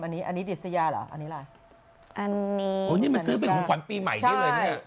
อันนี้เหมือนกับโอ้นี้มาซื้อเป็นขุมขวัญปีใหม่ซิ